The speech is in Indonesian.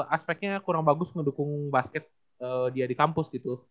aspeknya kurang bagus mendukung basket dia di kampus gitu